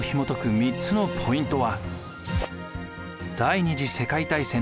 ３つのポイントは。